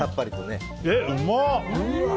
え、うまっ！